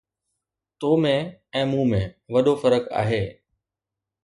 تو ۾۽ مون ۾ وڏو فرق آهي